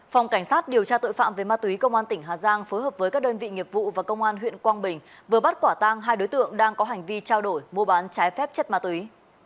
phòng cảnh sát điều tra tội phạm về ma túy công an tỉnh hà giang phối hợp với các đơn vị nghiệp vụ và công an huyện quang bình vừa bắt quả tang hai đối tượng đang có hành vi trao đổi mua bán trái phép chất ma túy